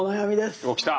おっ来た。